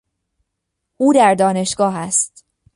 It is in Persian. او در دانشگاه است.